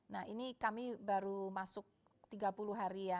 nah ini kami baru masuk tiga puluh hari ya